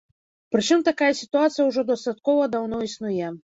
Прычым такая сітуацыя ўжо дастаткова даўно існуе.